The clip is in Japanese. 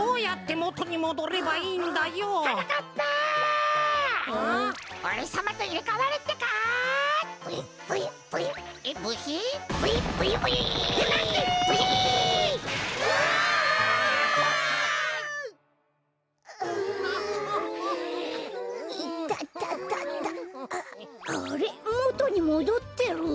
もとにもどってる？